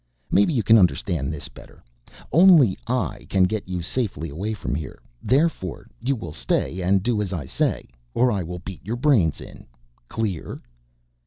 Maybe you can understand this better only I can get you safely away from here. Therefore, you will stay and do as I say or I will beat your brains in. Clear?"